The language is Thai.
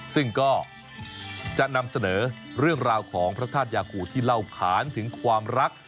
ซึ่งก็จะนำเสนอเรื่องราวของพระธาตุยาคูที่เล่าขานถึงความรัก